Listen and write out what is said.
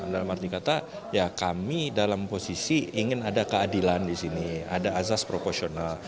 dalam arti kata ya kami dalam posisi ingin ada keadilan di sini ada azas proporsional